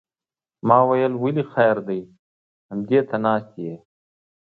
ما ویل ولې خیر دی همدې ته ناست یې.